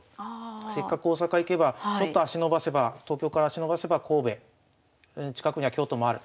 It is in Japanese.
せっかく大阪行けばちょっと足延ばせば東京から足延ばせば神戸近くには京都もある。